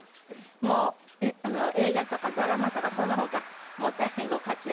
もう映画とかドラマとかその他大変ご活躍。